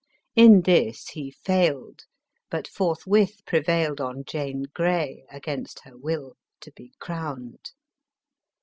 In this he failed, but forthwith prevailed on Jane Grey, against her will, to be crowned.